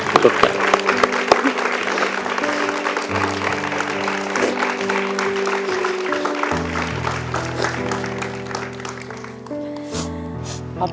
สุดใจ